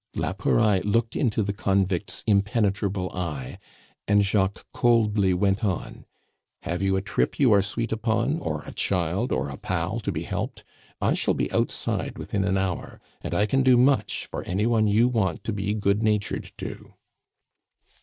La Pouraille looked into the convict's impenetrable eye, and Jacques coldly went on: "Have you a trip you are sweet upon, or a child, or a pal to be helped? I shall be outside within an hour, and I can do much for any one you want to be good natured to."